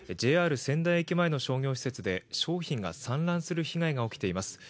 仙台駅前の商業施設で商品が散乱する被害が起きています。